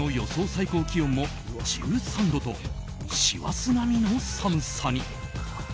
最高気温も１３度と師走並みの寒さに。